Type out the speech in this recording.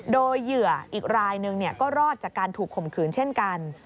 โดยเหยื่ออีกรายหนึ่งก็รอดจากการถูกข่มขืนเช่นกัน